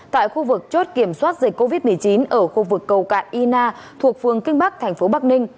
tại khu vực chốt kiểm soát dịch covid một mươi chín ở khu vực cầu cạn y na thuộc phương kinh bắc thành phố bắc ninh